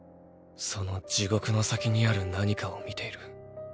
その地獄の先にある「何か」を見ている。